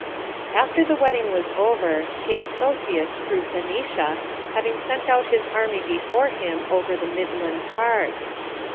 1. After the wedding was over, came Sosius through Phoenicia, having sent out his army before him over the midland parts.